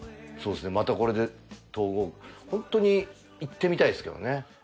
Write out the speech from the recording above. そうですねまたこれで東郷ホントに行ってみたいですけどね。